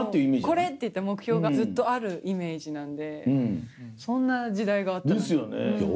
これっていった目標がずっとあるイメージなんでそんな時代があったなんて。一緒？